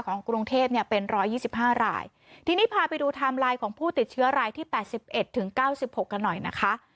กรุงเทพเนี่ยเป็นร้อยยี่สิบห้ารายทีนี้พาไปดูไทม์ไลน์ของผู้ติดเชื้อรายที่แปดสิบเอ็ดถึงเก้าสิบหกกันหน่อยนะคะ